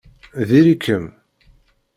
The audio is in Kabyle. Diri-kem!